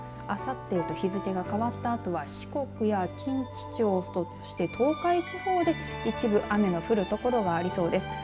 あさってへと日付変わったあとは四国や近畿地方そして東海地方で一部雨の降る所がありそうです。